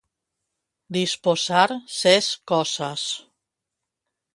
Disposar ses coses.